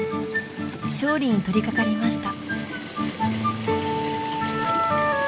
調理に取りかかりました。